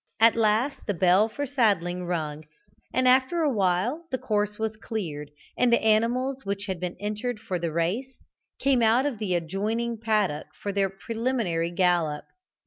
At last the bell for saddling rung, and after a while the course was cleared, and the animals which had been entered for the race came out of the adjoining paddock for their preliminary gallop.